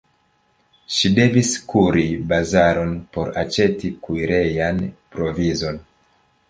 Ŝi devis kuri bazaron por aĉeti kuirejan provizon.